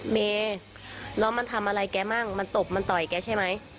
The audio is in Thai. เมย์แล้วมันทำอะไรแกมั่งมันตบมันต่อยแกใช่ไหม